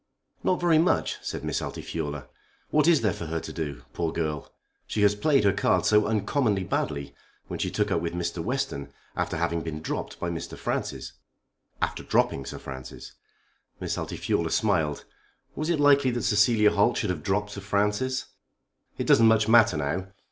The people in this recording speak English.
"Not very much," said Miss Altifiorla. "What is there for her to do? Poor girl! She has played her cards so uncommonly badly, when she took up with Mr. Western after having been dropped by Sir Francis." "After dropping Sir Francis!" Miss Altifiorla smiled. Was it likely that Cecilia Holt should have dropped Sir Francis? "It doesn't much matter now.